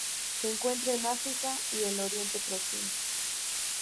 Se encuentra en África y el Oriente Próximo.